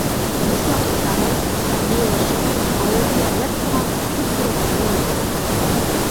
Буш ваҡыттарын, йыйылышып, ауылды йәмләп торған күпер тирәһендә уҙғаралар.